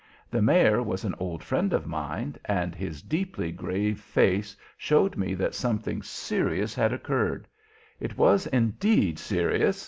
The Mayor was an old friend of mine and his deeply grave face showed me that something serious had occurred. It was indeed serious!